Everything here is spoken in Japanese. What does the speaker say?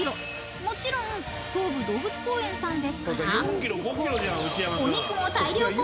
［もちろん東武動物公園さんですから］